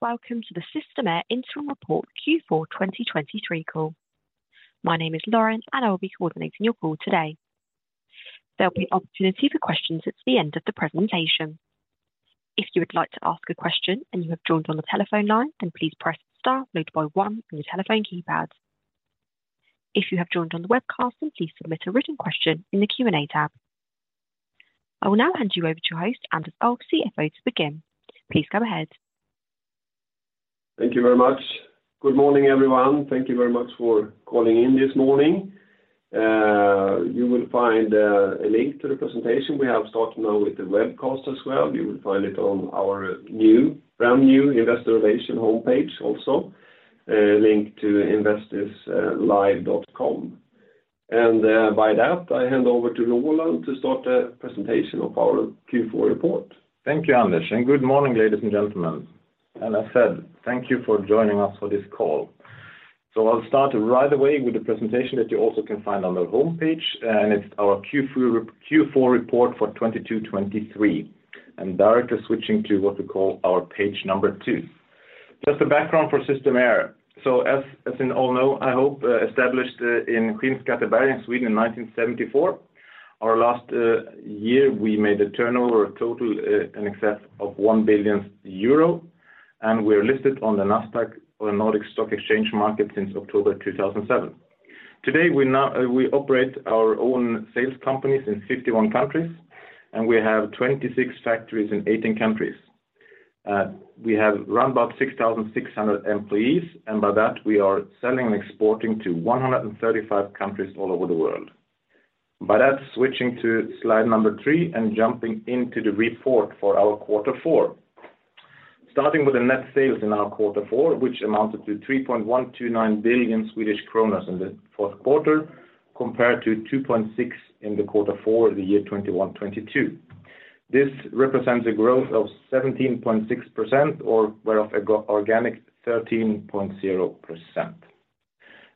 Hello, welcome to the Systemair Interim Report Q4 2023 call. My name is Lauren, and I will be coordinating your call today. There'll be opportunity for questions at the end of the presentation. If you would like to ask a question and you have joined on the telephone line, then please press star followed by one on your telephone keypad. If you have joined on the webcast, then please submit a written question in the Q&A tab. I will now hand you over to your host, Anders Ulff, CFO, to begin. Please go ahead. Thank you very much. Good morning, everyone. Thank you very much for calling in this morning. You will find, a link to the presentation we have started now with the webcast as well. You will find it on our new, brand new investor relation homepage, also, linked to investis-live.com. By that, I hand over to Roland to start a presentation of our Q4 report. Thank you, Anders, and good morning, ladies and gentlemen. As said, thank you for joining us for this call. I'll start right away with the presentation that you also can find on the homepage, it's our Q4 report for 2022/2023, and directly switching to what we call our page two. Just a background for Systemair. As you all know, I hope, established in Skara, Sweden in 1974. Our last year, we made a turnover of total in excess of 1 billion euro, we're listed on the Nasdaq or the Nordic Stock Exchange market since October 2007. Today, we now operate our own sales companies in 51 countries, we have 26 factories in 18 countries. We have round about 6,600 employees, and by that, we are selling and exporting to 135 countries all over the world. By that, switching to Slide three and jumping into the report for our Q4. Starting with the net sales in our Q4, which amounted to 3.129 billion in the Q4, compared to 2.6 billion in the Q4 the year 2021-2022. This represents a growth of 17.6%, or where of organic, 13.0%.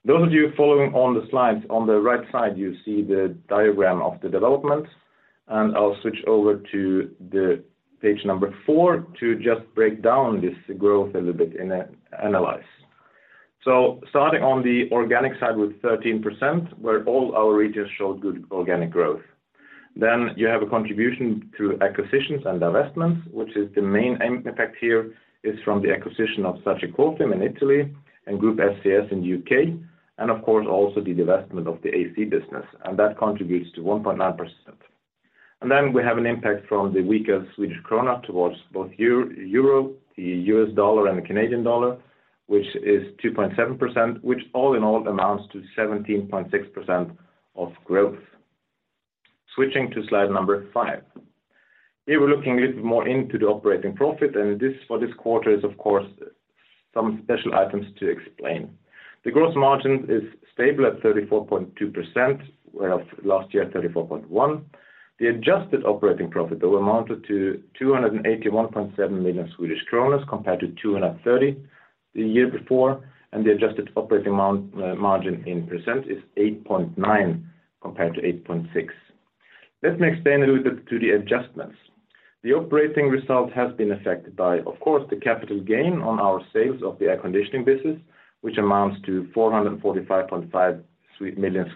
Those of you following on the slides, on the right side, you see the diagram of the development, and I'll switch over to the page four to just break down this growth a little bit and analyze. Starting on the organic side with 13%, where all our regions showed good organic growth. You have a contribution to acquisitions and divestments, which is the main end effect here is from the acquisition of SagiCofim in Italy and Group SCS in U.K., and of course, also the divestment of the AC business, and that contributes to 1.9%. We have an impact from the weaker Swedish krona towards both the euro, the U.S. dollar, and the Canadian dollar, which is 2.7%, which all in all, amounts to 17.6% of growth. Switching to Slide number five. Here, we're looking a little more into the operating profit, and this, for this quarter, is, of course, some special items to explain. The gross margin is stable at 34.2%, where of last year, 34.1%. The adjusted operating profit, though, amounted to 281.7 million Swedish kronor, compared to 230 million the year before, and the adjusted operating margin in percent is 8.9%, compared to 8.6%. Let me explain a little bit to the adjustments. The operating result has been affected by, of course, the capital gain on our sales of the air conditioning business, which amounts to 445.5 million.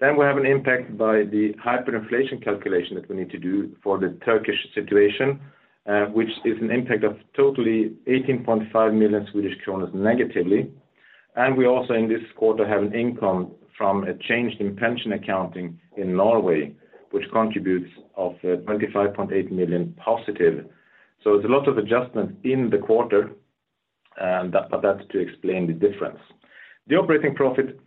We have an impact by the hyperinflation calculation that we need to do for the Turkish situation, which is an impact of totally 18.5 million Swedish kronor negatively. We also, in this quarter, have an income from a change in pension accounting in Norway, which contributes of 25.8 million positive. It's a lot of adjustments in the quarter, and, but that's to explain the difference. The operating profit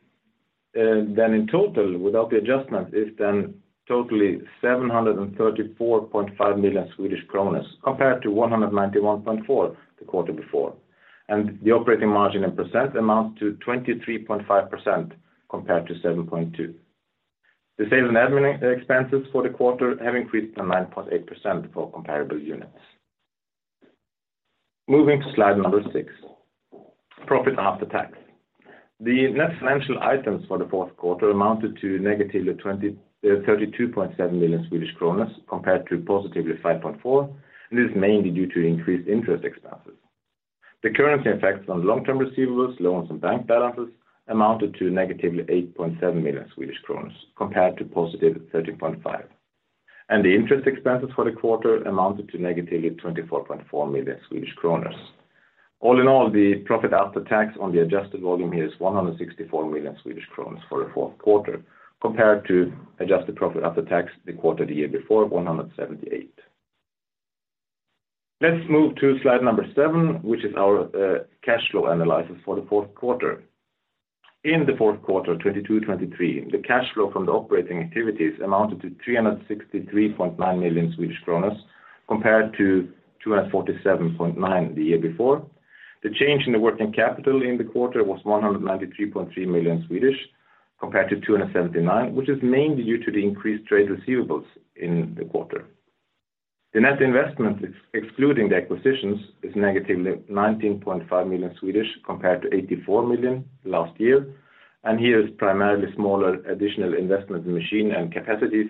then in total, without the adjustment, is then totally 734.5 million Swedish kronor compared to 191.4 million the quarter before, and the operating margin in percent amounts to 23.5% compared to 7.2%. The sales and admin expenses for the quarter have increased to 9.8% for comparable units. Moving to slide 6, profit after tax. The net financial items for the fourth quarter amounted to negatively 32.7 million Swedish kronor, compared to positively 5.4 million, and this is mainly due to increased interest expenses. The currency effects on long-term receivables, loans, and bank balances amounted to negatively 8.7 million Swedish kronor, compared to positive 13.5 million. The interest expenses for the quarter amounted to negatively 24.4 million Swedish kronor. All in all, the profit after tax on the adjusted volume here is 164 million Swedish kronor for the fourth quarter, compared to adjusted profit after tax the quarter the year before, 178 million. Let's move to slide number seven, which is our cash flow analysis for the fourth quarter. In the fourth quarter, 2022, 2023, the cash flow from the operating activities amounted to 363.9 million, compared to 247.9 million the year before. The change in the working capital in the quarter was 193.3 million, compared to 279 million, which is mainly due to the increased trade receivables in the quarter. The net investment, excluding the acquisitions, is -19.5 million, compared to 84 million last year, and here is primarily smaller additional investment in machine and capacities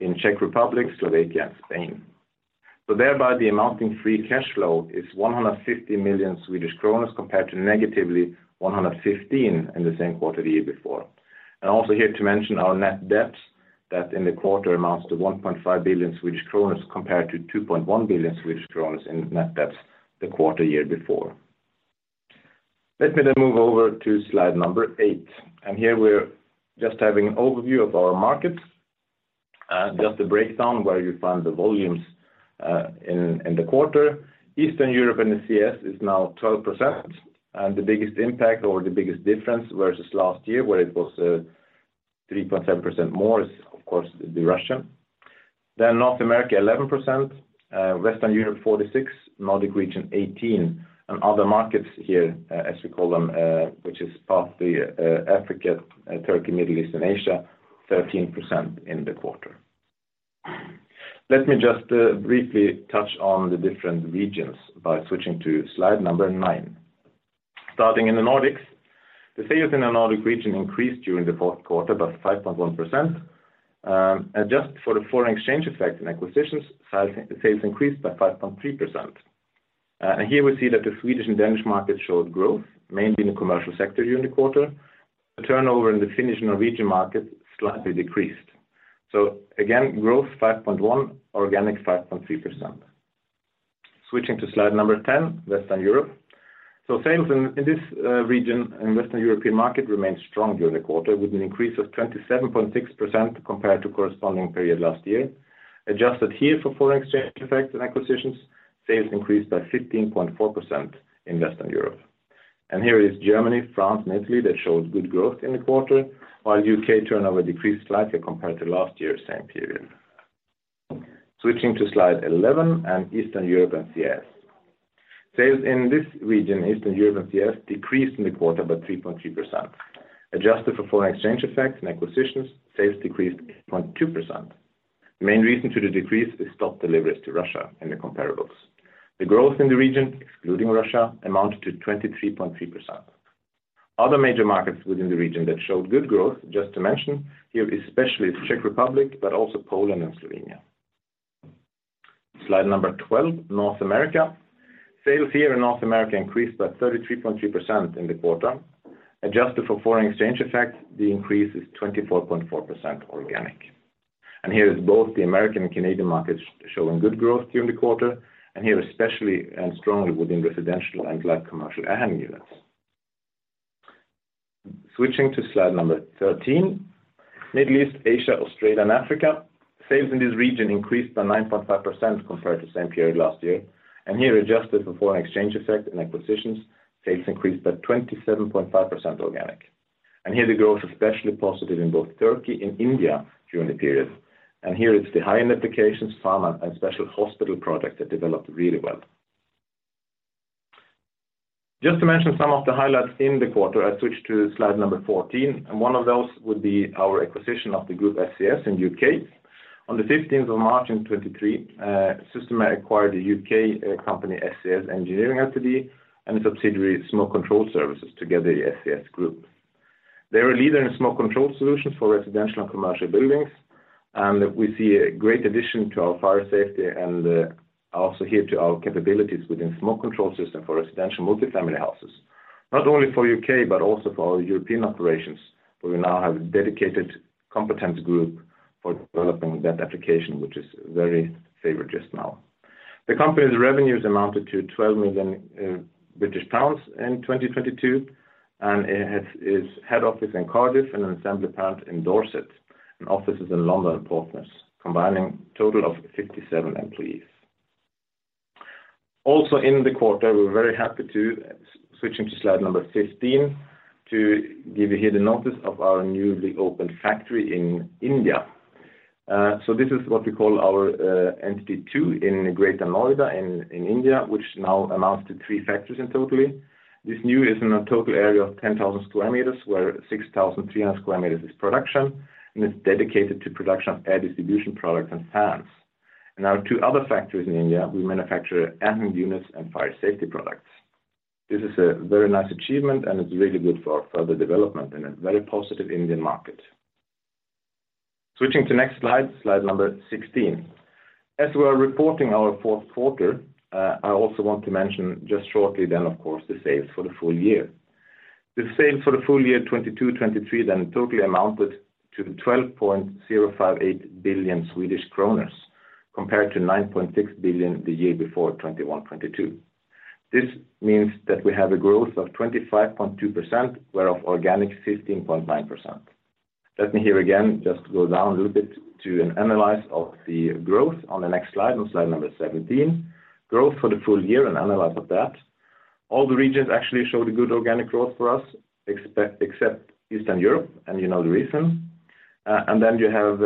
in Czech Republic, Slovakia, and Spain. Thereby the amount in free cash flow is 150 million, compared to -115 million in the same quarter the year before. Also here to mention our net debt, that in the quarter amounts to 1.5 billion Swedish kronor, compared to 2.1 billion Swedish kronor in net debt the quarter year before. Let me move over to slide number eight. Here we're just having an overview of our markets, just a breakdown where you find the volumes in the quarter. Eastern Europe and the CIS is now 12%. The biggest impact or the biggest difference versus last year, where it was 3.7% more, is of course, the Russian. North America, 11%, Western Europe, 46%, Nordic region, 18%, and other markets here, as we call them, which is partly Africa, Turkey, Middle East, and Asia, 13% in the quarter. Let me just briefly touch on the different regions by switching to Slide number nine. Starting in the Nordics, the sales in the Nordic region increased during the fourth quarter by 5.1%. Adjust for the foreign exchange effect and acquisitions, sales increased by 5.3%. Here we see that the Swedish and Danish market showed growth, mainly in the commercial sector during the quarter. The turnover in the Finnish and Norwegian markets slightly decreased. Again, growth 5.1%, organic 5.3%. Switching to slide number 10, Western Europe. Sales in this region, in Western European market remained strong during the quarter, with an increase of 27.6% compared to corresponding period last year. Adjusted here for foreign exchange effects and acquisitions, sales increased by 15.4% in Western Europe. Here is Germany, France, mainly, that showed good growth in the quarter, while U.K. turnover decreased slightly compared to last year's same period. Switching to slide 11 and Eastern Europe and CIS. Sales in this region, Eastern Europe and CIS, decreased in the quarter by 3.3%. Adjusted for foreign exchange effects and acquisitions, sales decreased 0.2%. The main reason to the decrease is stop deliveries to Russia in the comparables. The growth in the region, excluding Russia, amounted to 23.3%. Other major markets within the region that showed good growth, just to mention here, especially the Czech Republic, but also Poland and Slovenia. Slide number 12, North America. Sales here in North America increased by 33.3% in the quarter. Adjusted for foreign exchange effects, the increase is 24.4% organic. Here is both the American and Canadian markets showing good growth during the quarter, and here, especially and strongly within residential and light commercial units. Switching to slide number 13, Middle East, Asia, Australia, and Africa. Sales in this region increased by 9.5% compared to the same period last year, and here, adjusted for foreign exchange effect and acquisitions, sales increased by 27.5% organic. Here, the growth is especially positive in both Turkey and India during the period. Here it's the high-end applications, pharma, and special hospital projects that developed really well. Just to mention some of the highlights in the quarter, I switch to slide number 14, and one of those would be our acquisition of the Group SCS in U.K. On the 15th of March in 2023, Systemair acquired the U.K. company, SCS Engineering Ltd, and a subsidiary, Smoke Control Services, together, the Group SCS. They are a leader in smoke control solutions for residential and commercial buildings, and we see a great addition to our fire safety and also here to our capabilities within smoke control system for residential multifamily houses. Not only for U.K., but also for our European operations, where we now have a dedicated competence group for developing that application, which is very favored just now. The company's revenues amounted to 12 million British pounds in 2022, and it has its head office in Cardiff and an assembly plant in Dorset, and offices in London and Portsmouth, combining a total of 57 employees. Also in the quarter, we're very happy to, switching to Slide number 15, to give you here the notice of our newly opened factory in India. This is what we call our entity two in Greater Noida in India, which now amounts to three factories in totally. This new is in a total area of 10,000 square meters, where 6,300 square meters is production, and it's dedicated to production of air distribution products and fans. In our two other factories in India, we manufacture units and fire safety products. This is a very nice achievement, and it's really good for our further development in a very positive Indian market. Switching to next Slide number 16. As we are reporting our fourth quarter, I also want to mention just shortly then, of course, the sales for the full year. The sales for the full year 2022/2023, totally amounted to 12.058 billion Swedish kronor, compared to 9.6 billion the year before, 2021/2022. This means that we have a growth of 25.2%, whereof organic, 15.9%. Let me here again, just go down a little bit to an analysis of the growth on the next slide, on Slide number 17. Growth for the full year and analysis of that. All the regions actually showed a good organic growth for us, except Eastern Europe, and you know the reason. You have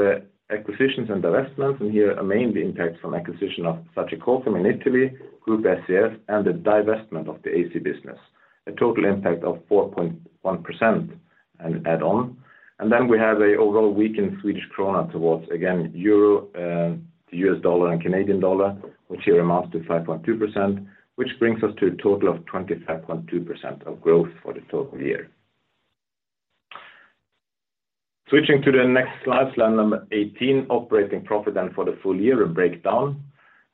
acquisitions and divestments, and here, a main impact from acquisition of SagiCofim in Italy, Group SCS, and the divestment of the AC business, a total impact of 4.1% and add on. We have a overall weakened Swedish krona towards, again, Euro, the U.S. dollar, and Canadian dollar, which here amounts to 5.2%, which brings us to a total of 25.2% of growth for the total year. Switching to the next Slide number 18, operating profit then for the full year, a breakdown.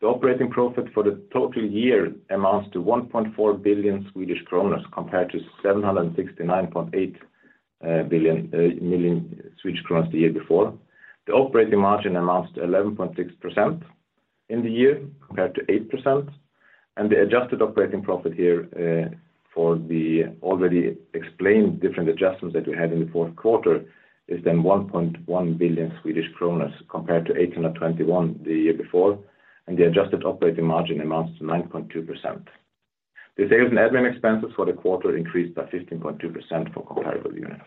The operating profit for the total year amounts to 1.4 billion Swedish kronor, compared to 769.8 billion million Swedish kronor the year before. The operating margin amounts to 11.6% in the year, compared to 8%. The adjusted operating profit here, for the already explained different adjustments that we had in the fourth quarter, is then 1.1 billion Swedish kronor, compared to 821 the year before, and the adjusted operating margin amounts to 9.2%. The sales and admin expenses for the quarter increased by 15.2% for comparable units.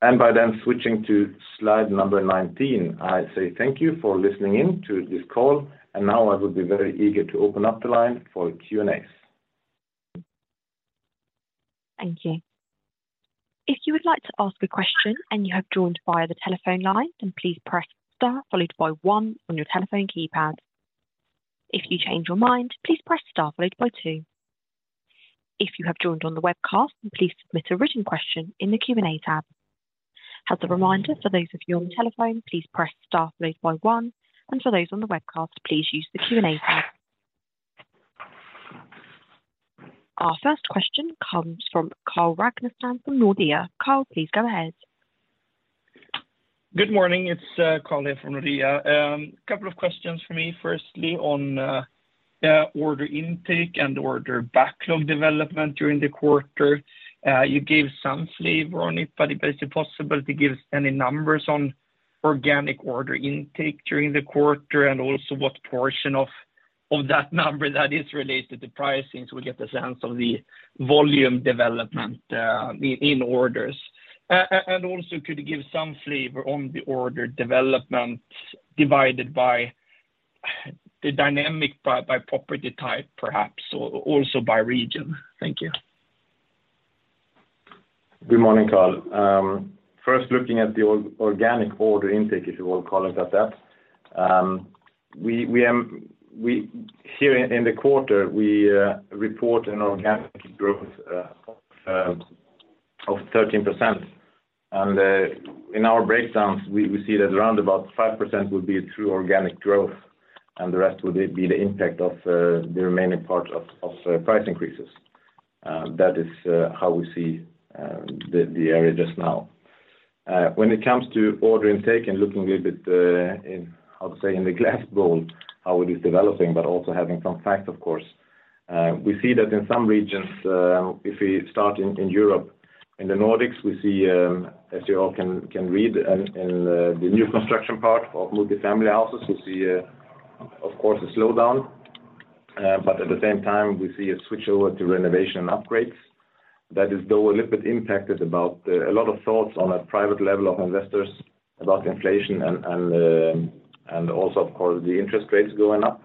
By then switching to Slide number 19, I say thank you for listening in to this call, and now I will be very eager to open up the line for Q&As. Thank you. If you would like to ask a question and you have joined via the telephone line, please press star one on your telephone keypad. If you change your mind, please press star two. If you have joined on the webcast, please submit a written question in the Q&A tab. As a reminder for those of you on the telephone, please press star one. For those on the webcast, please use the Q&A tab. Our first question comes from Carl Ragnerstam from Nordea. Carl, please go ahead. Good morning, it's Carl here from Nordea. Couple of questions for me. Firstly, on order intake and order backlog development during the quarter. You gave some flavor on it, but is it possible to give us any numbers on organic order intake during the quarter, and also what portion of that number that is related to pricing, so we get a sense of the volume development in orders? Also, could you give some flavor on the order development divided by the dynamic by property type, perhaps, or also by region? Thank you. Good morning, Carl. First, looking at the organic order intake, if you want to call it like that, we here in the quarter, we report an organic growth of 13%. In our breakdowns, we see that around about 5% would be through organic growth, and the rest would be the impact of the remaining part of price increases. That is how we see the area just now. When it comes to order intake and looking a little bit in, I would say, in the glass bowl, how it is developing, but also having some facts, of course, we see that in some regions, if we start in Europe, in the Nordics, we see, as you all can read in the new construction part of multifamily houses, we see, of course, a slowdown. At the same time, we see a switchover to renovation and upgrades. That is, though, a little bit impacted about a lot of thoughts on a private level of investors about inflation and also, of course, the interest rates going up.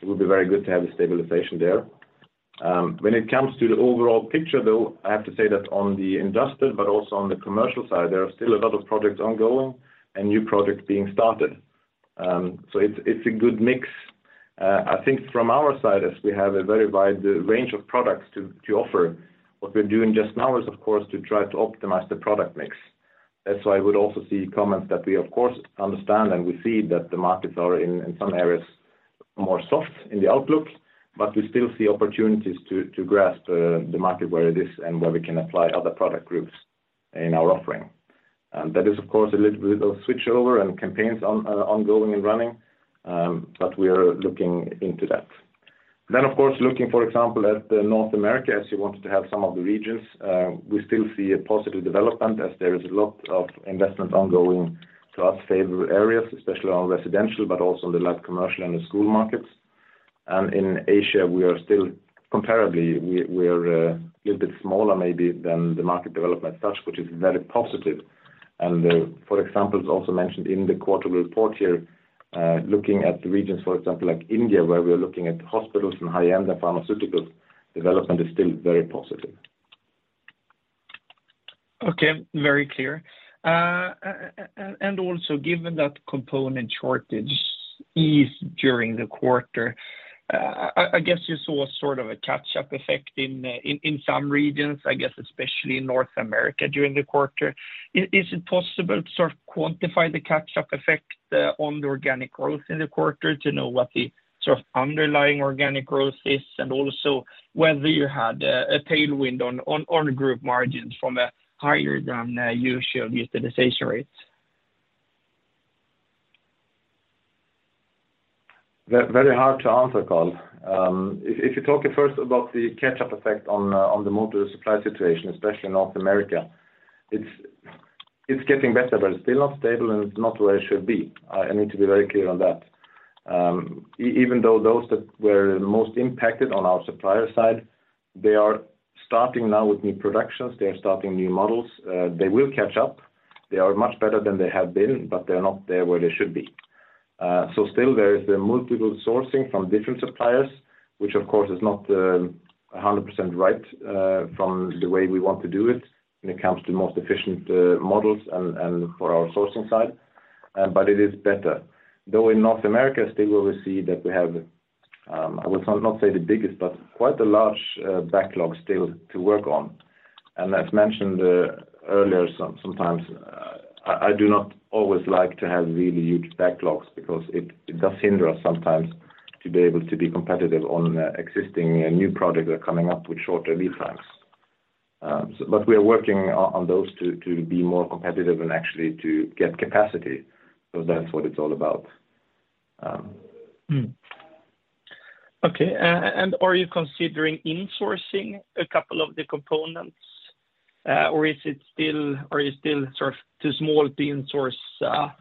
It would be very good to have a stabilization there. When it comes to the overall picture, though, I have to say that on the industrial, but also on the commercial side, there are still a lot of projects ongoing and new projects being started. It's a good mix. I think from our side, as we have a very wide range of products to offer, what we're doing just now is, of course, to try to optimize the product mix. That's why I would also see comments that we of course, understand, and we see that the markets are in some areas, more soft in the outlook, but we still see opportunities to grasp the market where it is and where we can apply other product groups in our offering. That is, of course, a little bit of switchover and campaigns on ongoing and running, but we are looking into that. Of course, looking, for example, at North America, as you wanted to have some of the regions, we still see a positive development as there is a lot of investment ongoing to us favorable areas, especially on residential, but also in the light commercial and the school markets. In Asia, we are still comparably, we are a little bit smaller maybe than the market development as such, which is very positive. For example, it's also mentioned in the quarter report here, looking at the regions, for example, like India, where we are looking at hospitals and high-end pharmaceuticals, development is still very positive. Okay, very clear. Also, given that component shortage eased during the quarter, I guess you saw sort of a catch-up effect in some regions, I guess, especially in North America during the quarter. Is it possible to sort of quantify the catch-up effect on the organic growth in the quarter to know what the sort of underlying organic growth is, and also whether you had a tailwind on group margins from a higher than usual utilization rates? Very hard to answer, Carl. If you talk first about the catch-up effect on the motor supply situation, especially in North America, it's getting better, but it's still not stable, and it's not where it should be. I need to be very clear on that. Even though those that were most impacted on our supplier side, they are starting now with new productions, they are starting new models. They will catch up. They are much better than they have been, but they are not there where they should be. Still there is the multiple sourcing from different suppliers, which of course, is not 100% right from the way we want to do it when it comes to the most efficient models and for our sourcing side, but it is better. Though in North America, still we see that I would not say the biggest, but quite a large backlog still to work on. As mentioned earlier, sometimes I do not always like to have really huge backlogs because it does hinder us sometimes to be able to be competitive on existing and new products that are coming up with shorter lead times. We are working on those to be more competitive and actually to get capacity. That's what it's all about. Okay. Are you considering insourcing a couple of the components, or are you still sort of too small to insource,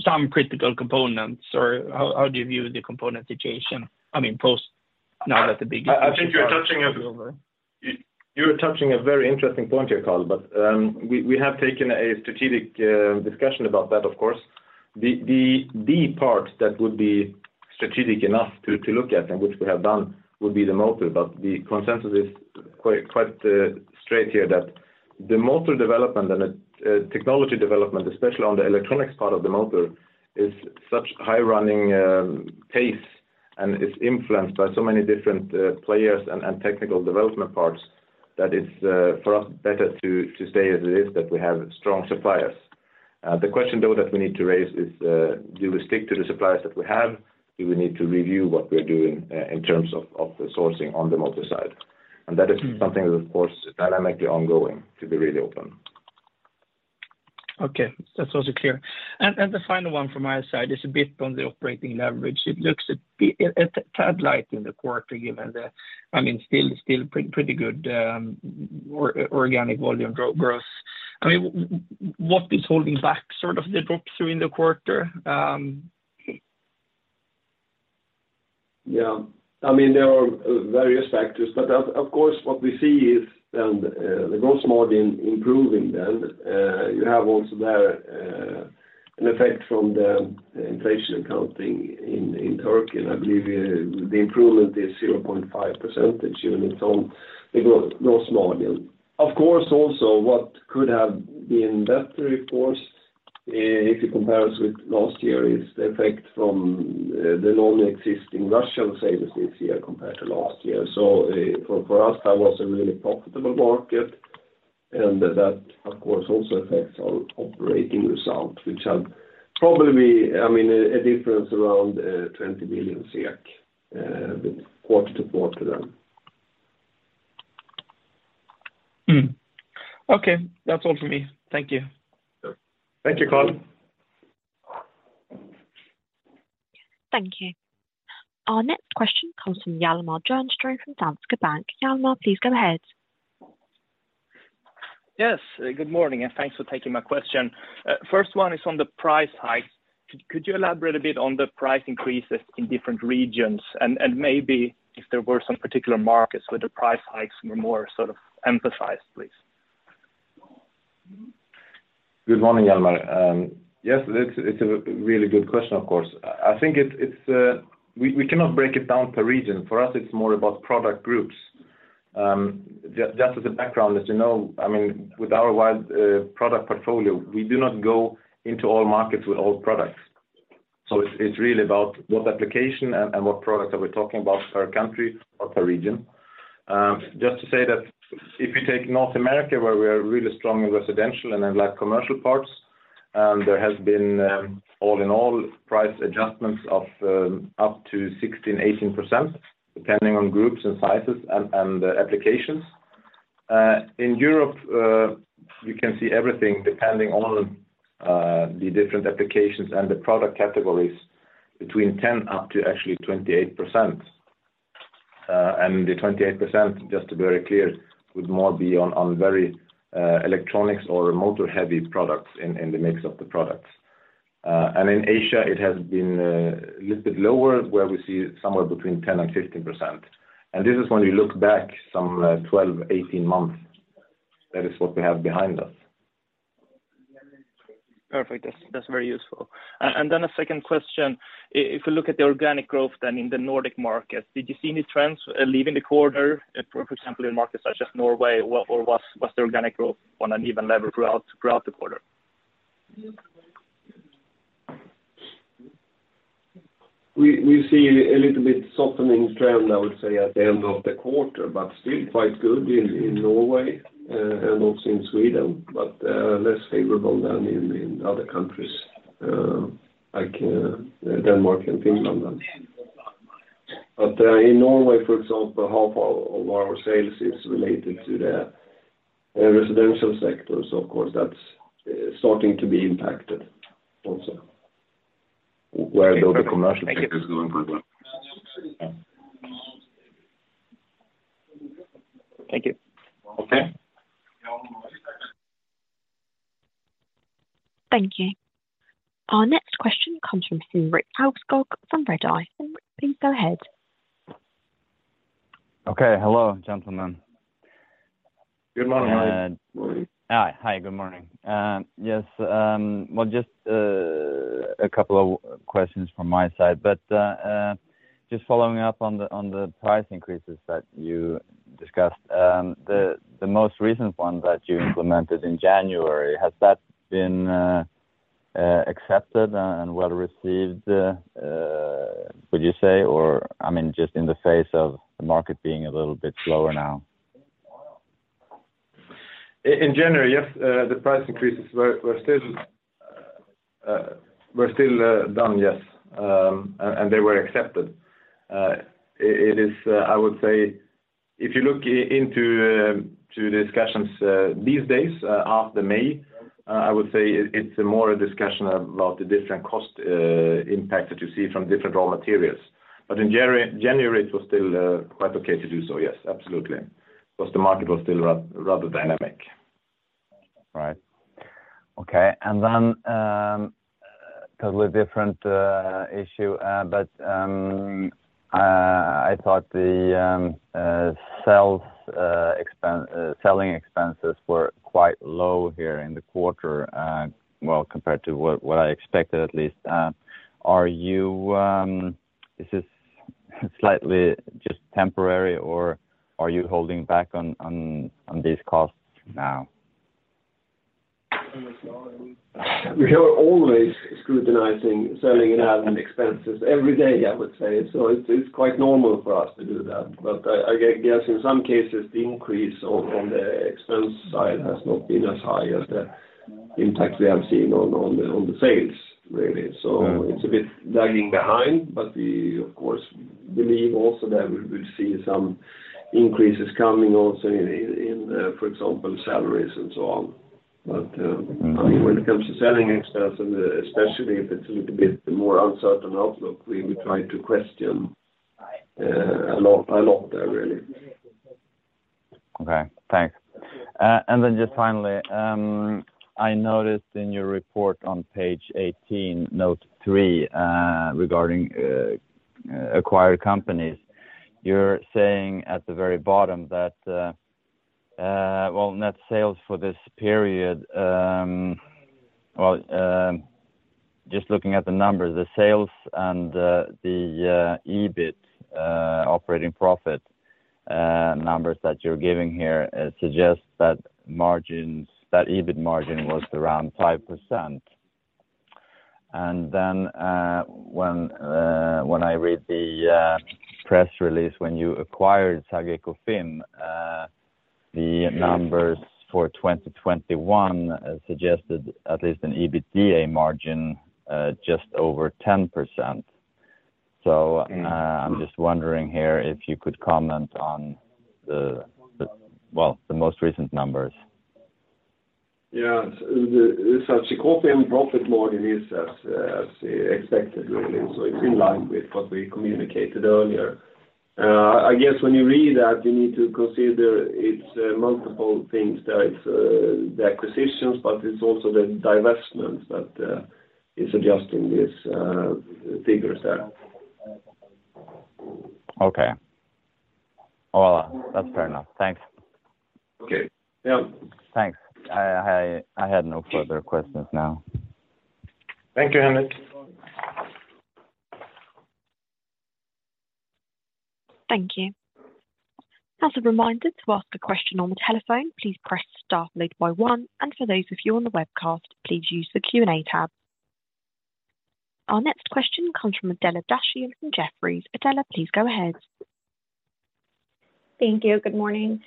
some critical components? Or how do you view the component situation? I mean, post, now that the big- You're touching a very interesting point here, Carl, but we have taken a strategic discussion about that, of course. The part that would be strategic enough to look at, and which we have done, would be the motor. The consensus is quite straight here that the motor development and the technology development, especially on the electronics part of the motor, is such high running pace, and it's influenced by so many different players and technical development parts, that it's for us, better to stay as it is, that we have strong suppliers. The question, though, that we need to raise is, do we stick to the suppliers that we have? Do we need to review what we're doing, in terms of the sourcing on the motor side? That is something that, of course, dynamically ongoing, to be really open. Okay, that was clear. The final one from my side is a bit on the operating leverage. It looks a bit a tad light in the quarter, given the, I mean, still pretty good, or organic volume growth. I mean, what is holding back sort of the drop through in the quarter? Yeah. I mean, there are various factors, but of course, what we see is the gross margin improving then. You have also there an effect from the inflation accounting in Turkey, and I believe the improvement is 0.5 percentage unit on the gross margin. Of course, also, what could have been better, of course, if you compare us with last year, is the effect from the non-existing Russian sales this year compared to last year. For us, that was a really profitable market, and that, of course, also affects our operating results, which have probably, I mean, a difference around 20 million SEK quarter-to-quarter then. Okay, that's all for me. Thank you. Thank you, Carl. Thank you. Our next question comes from Hjalmar Jernström, from Danske Bank. Hjalmar, please go ahead. Yes, good morning. Thanks for taking my question. First one is on the price hikes. Could you elaborate a bit on the price increases in different regions, and maybe if there were some particular markets where the price hikes were more sort of emphasized, please? Good morning, Hjalmar. Yes, it's a really good question, of course. I think it's we cannot break it down per region. For us, it's more about product groups. Just as a background, as you know, I mean, with our wide product portfolio, we do not go into all markets with all products. It's really about what application and what product are we talking about per country or per region. Just to say that if you take North America, where we are really strong in residential and then like commercial parts, there has been all in all, price adjustments of up to 16%-18%, depending on groups and sizes and applications. In Europe, you can see everything depending on the different applications and the product categories between 10% up to actually 28%. The 28%, just to be very clear, would more be on very, electronics or motor-heavy products in the mix of the products. In Asia, it has been a little bit lower, where we see somewhere between 10% and 15%. This is when we look back some, 12, 18 months. That is what we have behind us. Perfect. That's very useful. Then a second question, if you look at the organic growth then in the Nordic market, did you see any trends leaving the quarter, for example, in markets such as Norway, or what was the organic growth on an even level throughout the quarter? We see a little bit softening trend, I would say, at the end of the quarter, but still quite good in Norway, and also in Sweden, but less favorable than in other countries, like Denmark and Finland. In Norway, for example, half of our sales is related to the residential sector. Of course, that's starting to be impacted also, where the commercial sector is doing very well. Thank you. Okay. Thank you. Our next question comes from Ulrik Haugstveit from Redeye. Ulrik, please go ahead. Okay. Hello, gentlemen. Good morning. Hi, good morning. Yes, well, just a couple of questions from my side, but, just following up on the price increases that you discussed, the most recent one that you implemented in January, has that been accepted and well received, would you say, or, I mean, just in the face of the market being a little bit slower now? In January, yes, the price increases were still done, yes. They were accepted. It is, I would say if you look into to the discussions these days after May, I would say it's more a discussion about the different cost impact that you see from different raw materials. In January, it was still quite okay to do so. Yes, absolutely. Because the market was still rather dynamic. Right. Okay. Totally different issue, but I thought the sales expense, selling expenses were quite low here in the quarter, and well, compared to what I expected, at least. Is this slightly just temporary, or are you holding back on these costs now? We are always scrutinizing, selling and ad expenses every day, I would say. It's quite normal for us to do that, but I guess in some cases, the increase on the expense side has not been as high as the impact we have seen on the sales really. Mm-hmm. It's a bit lagging behind, but we, of course, believe also that we will see some increases coming also in, for example, salaries and so on. Mm-hmm. When it comes to selling expenses, especially if it's a little bit more uncertain outlook, we will try to question a lot, a lot there, really. then just finally, I noticed in your report on page 18, note three, regarding acquired companies, you're saying at the very bottom that net sales for this period, just looking at the numbers, the sales and the EBIT operating profit numbers that you're giving here suggest that margins, that EBIT margin was around 5%. And then when I read the press release, when you acquired SagiCofim, the numbers for 2021 suggested at least an EBITDA margin just over 10%. I'm just wondering here if you could comment on the most recent numbers The SagiCofim profit margin is as expected, really, so it's in line with what we communicated earlier. I guess when you read that, you need to consider it's multiple things there. It's the acquisitions, but it's also the divestments that is adjusting these figures there. Okay. Well, that's fair enough. Thanks. Okay. Yeah. Thanks. I had no further questions now. Thank you, Henrik. Thank you. As a reminder, to ask a question on the telephone, please press star followed by one. For those of you on the webcast, please use the Q&A tab. Our next question comes from Adela Dashian from Jefferies. Adela, please go ahead. Thank you. Good morning.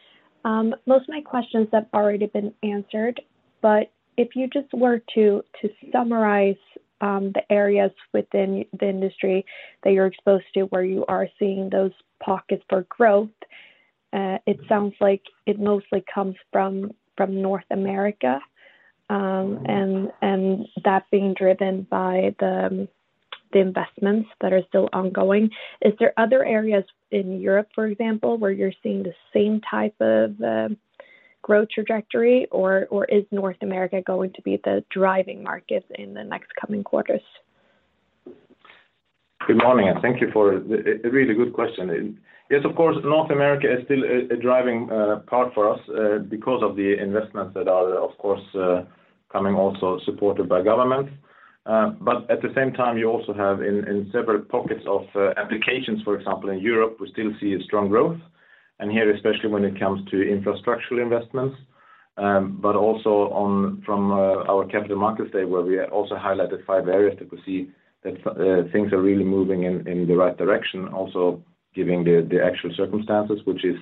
Most of my questions have already been answered, but if you just were to summarize, the areas within the industry that you're exposed to, where you are seeing those pockets for growth, it sounds like it mostly comes from North America, and that being driven by the investments that are still ongoing. Is there other areas in Europe, for example, where you're seeing the same type of growth trajectory, or is North America going to be the driving market in the next coming quarters? Good morning, and thank you for a really good question. Yes, of course, North America is still a driving part for us, because of the investments that are, of course, coming also supported by government. At the same time, you also have in several pockets of applications, for example, in Europe, we still see a strong growth, and here, especially when it comes to infrastructural investments, but also on from our capital markets day, where we also highlighted five areas that we see that things are really moving in the right direction, also giving the actual circumstances, which is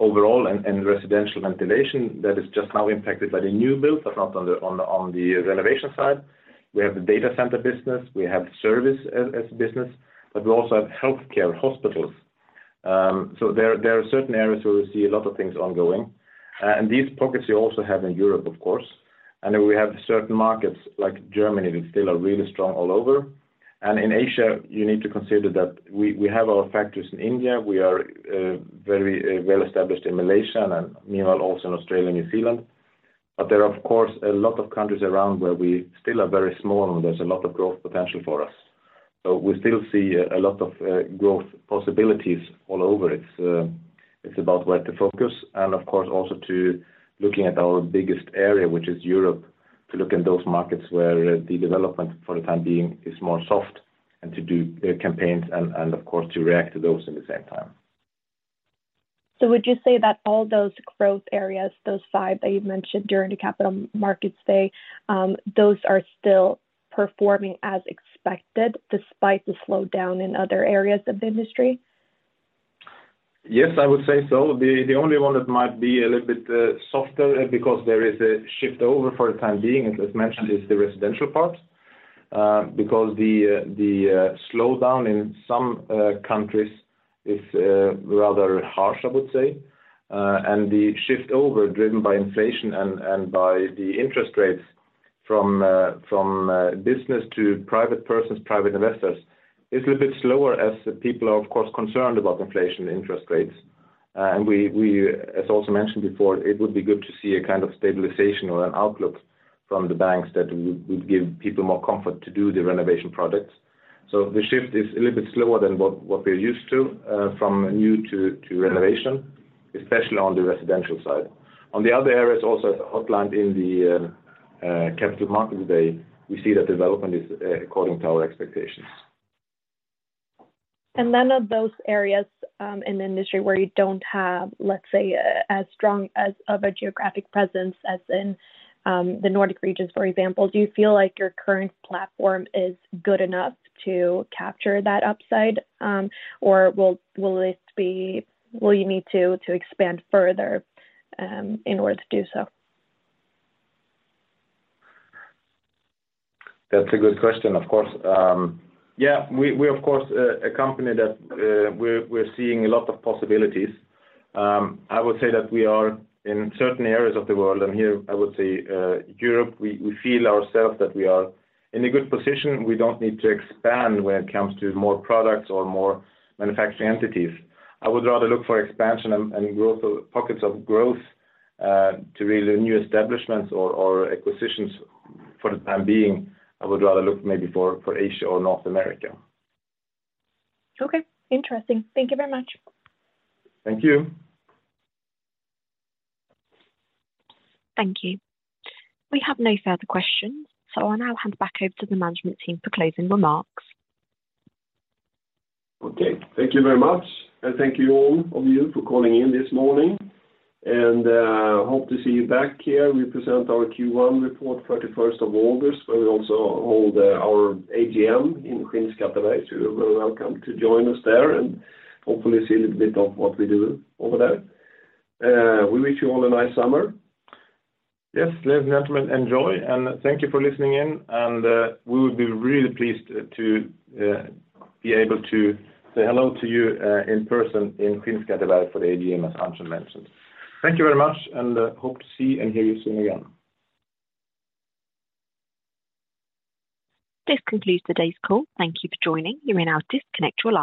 overall and residential ventilation that is just now impacted by the new build, but not on the renovation side. We have the data center business, we have service as a business. We also have healthcare hospitals. There are certain areas where we see a lot of things ongoing, and these pockets we also have in Europe, of course. We have certain markets like Germany, that still are really strong all over. In Asia, you need to consider that we have our factories in India. We are very well-established in Malaysia and meanwhile, also in Australia and New Zealand. There are, of course, a lot of countries around where we still are very small, and there's a lot of growth potential for us. We still see a lot of growth possibilities all over. It's, it's about where to focus and of course, also to looking at our biggest area, which is Europe, to look in those markets where the development for the time being is more soft and to do campaigns and of course, to react to those in the same time. ... Would you say that all those growth areas, those 5 that you mentioned during the capital markets day, those are still performing as expected, despite the slowdown in other areas of the industry? Yes, I would say so. The only one that might be a little bit softer because there is a shift over for the time being, as mentioned, is the residential part. Because the slowdown in some countries is rather harsh, I would say. The shift over, driven by inflation and by the interest rates from business to private persons, private investors, is a little bit slower as the people are, of course, concerned about inflation interest rates. We, as also mentioned before, it would be good to see a kind of stabilization or an outlook from the banks that would give people more comfort to do the renovation products. The shift is a little bit slower than what we're used to, from new to renovation, especially on the residential side. On the other areas, also outlined in the capital markets day, we see that development is according to our expectations. None of those areas in the industry where you don't have, let's say, as strong as of a geographic presence as in the Nordic regions, for example, do you feel like your current platform is good enough to capture that upside? Or will you need to expand further in order to do so? That's a good question. Of course, yeah, we of course, a company that, we're seeing a lot of possibilities. I would say that we are in certain areas of the world, and here I would say, Europe, we feel ourself[ves] that we are in a good position. We don't need to expand when it comes to more products or more manufacturing entities. I would rather look for expansion and growth, pockets of growth, to really new establishments or acquisitions. For the time being, I would rather look maybe for Asia or North America. Okay. Interesting. Thank you very much. Thank you. Thank you. We have no further questions, so I'll now hand back over to the management team for closing remarks. Okay. Thank you very much. Thank you, all of you, for calling in this morning, and hope to see you back here. We present our Q1 report, 31 August, where we also hold our AGM in Skinnskatteberg, so you're very welcome to join us there and hopefully see a little bit of what we do over there. We wish you all a nice summer. Yes, ladies and gentlemen, enjoy, and thank you for listening in, and we would be really pleased to be able to say hello to you in person in Skinnskatteberg for the AGM, as Anders mentioned. Thank you very much, and hope to see and hear you soon again. This concludes today's call. Thank you for joining. You may now disconnect your line.